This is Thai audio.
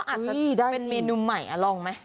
อาจจะเป็นเมนูใหม่ลองไหม